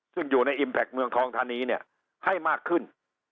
ซึ่งอยู่ในอิมแพคเมืองทองธานีเนี่ยให้มากขึ้น